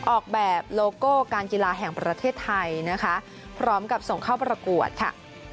ออกแบบโลโก้การกีฬาแห่งประเทศไทยนะคะพร้อมกับส่งเข้าประกวดค่ะ